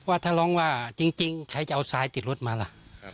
ว่าถ้าร้องว่าจริงใครจะเอาทรายติดรถมาล่ะ